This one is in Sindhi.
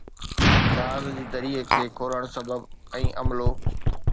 جهاز جي دريءَ کي کولڻ سبب ۽ عملو